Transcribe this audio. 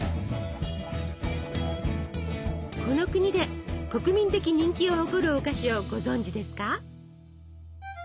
この国で国民的人気を誇るお菓子をご存じですか？